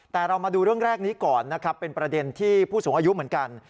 แต่เรามาดูเรื่องแรกนี้ก่อนนะครับเป็นประเด็นที่ผู้สูงอายุเหมือนกัน